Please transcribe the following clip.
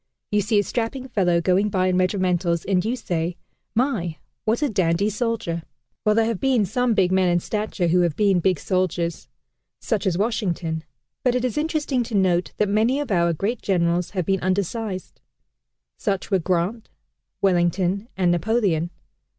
You see a strapping fellow going by in regimentals, and you say, "My, what a dandy soldier!" Well, there have been some big men in stature who have been big soldiers such as Washington but it is interesting to note that many of our great generals have been undersized. Such were Grant, Wellington, and Napoleon.